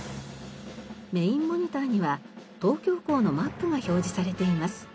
メインモニターには東京港のマップが表示されています。